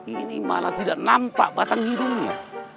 ini malah tidak nampak batang hidungnya